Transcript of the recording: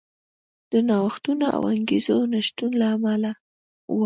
د نوښتونو او انګېزو نشتون له امله و.